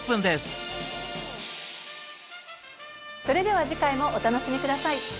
それでは次回もお楽しみ下さい。